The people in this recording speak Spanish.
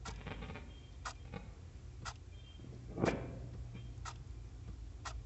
Fue nombrado profesor de mecánica racional en la Facultad de Ciencias de Bucarest.